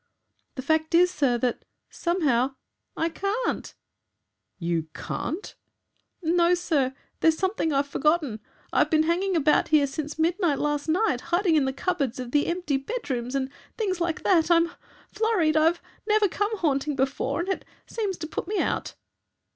"'The fact is, sir, that somehow I can't.' "'You CAN'T?' "'No, sir. There's something I've forgotten. I've been hanging about here since midnight last night, hiding in the cupboards of the empty bedrooms and things like that. I'm flurried. I've never come haunting before, and it seems to put me out.'